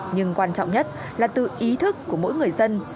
nhưng quan trọng nhất là từ ý thức của mỗi người dân